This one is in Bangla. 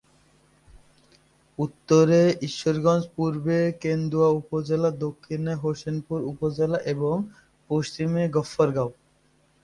উত্তরে ঈশ্বরগঞ্জ, পূর্বে কেন্দুয়া উপজেলা, দক্ষিণে হোসেনপুর উপজেলা এবং পশ্চিমে গফরগাঁও।